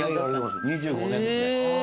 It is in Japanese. ２５年ですね。